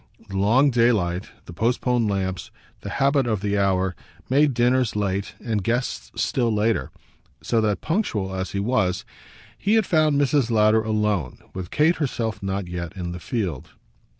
The long daylight, the postponed lamps, the habit of the hour, made dinners late and guests still later; so that, punctual as he was, he had found Mrs. Lowder alone, with Kate herself not yet in the field.